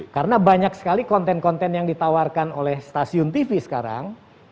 karena banyak sekali konten konten yang ditawarkan oleh stasiun tv sekarang